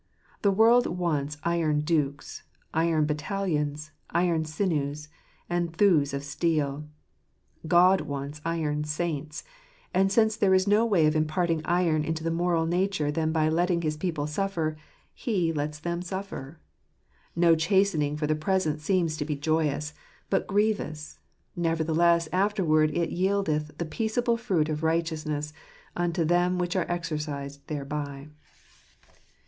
The world wants iron dukes, iron battalions, iron sinews, and thews of steel. God wants iron saints ; and since there is no way of imparting iron to the moral nature than by letting his people suffer, lets them suffer. "No chastening for the present seemeth to be joyous, but grievous ; nevertheless afterward it yieldeth the peaceable fruit of righteousness unto them which are exercised thereby."